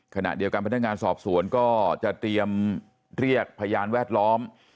ขณะเดียวกันพนักงานสอบสวนก็จะเตรียมเรียกพยานแวดล้อม